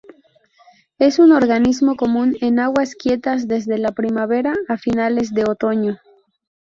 Es un organismo común en aguas quietas desde la primavera a finales de otoño.